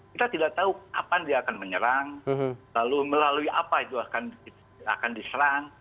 kita tidak tahu kapan dia akan menyerang lalu melalui apa itu akan diserang